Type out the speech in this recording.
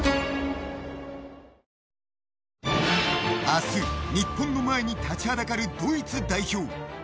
明日、日本の前に立ちはだかるドイツ代表。